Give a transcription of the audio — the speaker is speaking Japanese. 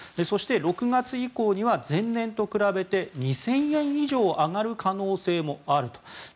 そして、６月以降には前年と比べて２０００円以上上がる可能性もあると。